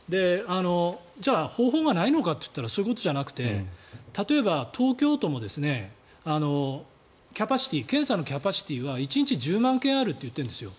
じゃあ方法がないのかといったらそういうことじゃなくて例えば、東京都も検査のキャパシティーは１日１０万件あると言っているんですよ。